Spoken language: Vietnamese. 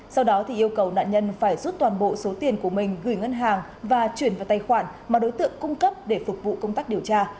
sau đó yêu cầu nạn nhân phải rút toàn bộ số tiền của mình gửi ngân hàng và chuyển vào tài khoản mà đối tượng cung cấp để phục vụ công tác điều tra